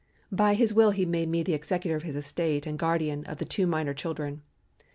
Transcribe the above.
By his will he made me the executor of his estate and guardian of the two minor children.